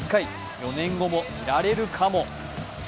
４年後も見られるかも。